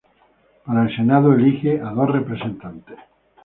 Para el Senado elige a dos representantes.